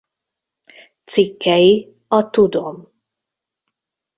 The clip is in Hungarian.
Cikkei a Tudom.